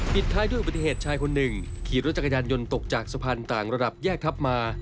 ผิดท้ายด้วยปฏิเสธชายคนนึงขี่รถจักรยานยนต์ตกจากสะพานต่างระดับแยกทับมา